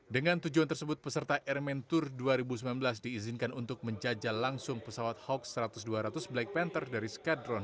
dengan tujuan tersebut peserta air mentur dua ribu sembilan belas diizinkan untuk menjajal langsung pesawat hawk seratus dua ratus black panther dari skadron dua belas